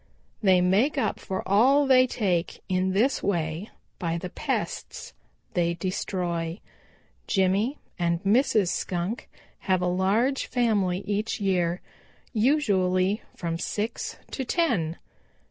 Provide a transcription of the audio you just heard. They make up for all they take in this way by the pests they destroy. Jimmy and Mrs. Skunk have a large family each year, usually from six to ten.